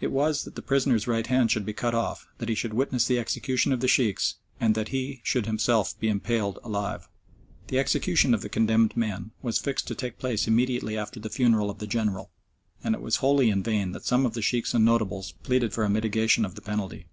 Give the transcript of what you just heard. It was that the prisoner's right hand should be cut off, that he should witness the execution of the Sheikhs, and that he should himself be impaled alive. The execution of the condemned men was fixed to take place immediately after the funeral of the General, and it was wholly in vain that some of the Sheikhs and notables pleaded for a mitigation of the penalty.